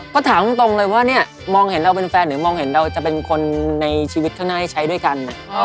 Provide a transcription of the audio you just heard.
ก็ถามตรงเลยว่าเนี่ยมองเห็นเราเป็นแฟนหรือมองเห็นเราจะเป็นคนในชีวิตข้างหน้าให้ใช้ด้วยกัน